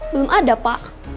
belum ada pa